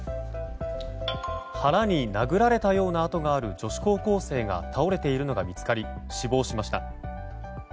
腹に殴られたような痕がある女子高校生が倒れているのが見つかり死亡しました。